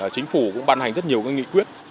chính phủ cũng ban hành rất nhiều nghị quyết